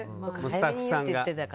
スタッフさんが。